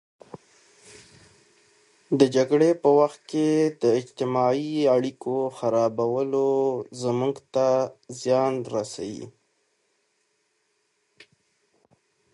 د جګړې په وخت کې د اجتماعي اړیکو خرابوالی زموږ ته زیان رسوي.